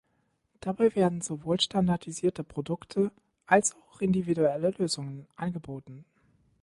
Dabei werden sowohl standardisierte Produkte als auch individuelle Lösungen angeboten.